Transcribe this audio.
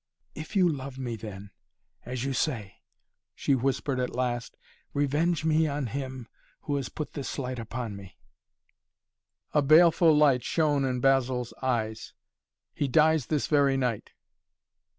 "If you love me then, as you say," she whispered at last, "revenge me on him who has put this slight upon me!" A baleful light shone in Basil's eyes. "He dies this very night."